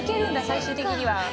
最終的には。